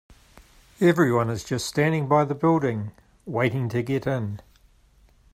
Everyone is just standing by the building, waiting to get in.